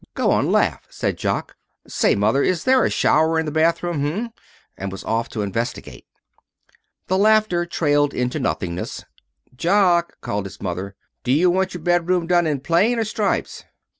"Go on laugh!" said Jock. "Say, Mother, is there a shower in the bathroom, h'm?" And was off to investigate. The laughter trailed away into nothingness. "Jock," called his mother, "do you want your bedroom done in plain or stripes?"